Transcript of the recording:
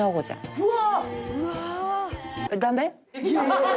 うわ！